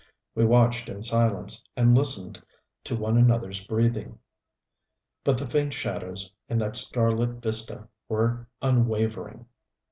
We watched in silence, and listened to one another's breathing. But the faint shadows, in that starlit vista, were unwavering.